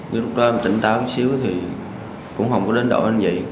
nhưng lúc đó em tỉnh táo một xíu thì cũng không có đến độ như vậy